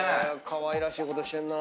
かわいらしいことしてんな。